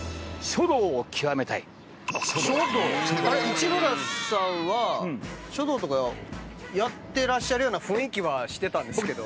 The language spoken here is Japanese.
市村さんは書道とかやってらっしゃるような雰囲気はしてたんですけど。